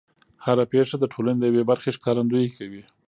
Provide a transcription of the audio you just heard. هر پېښه د ټولنې د یوې برخې ښکارندويي کوي.